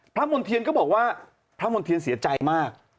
มณ์เทียนก็บอกว่าพระมณ์เทียนเสียใจมาก